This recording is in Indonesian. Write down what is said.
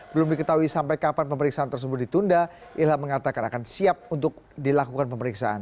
belum diketahui sampai kapan pemeriksaan tersebut ditunda ilham mengatakan akan siap untuk dilakukan pemeriksaan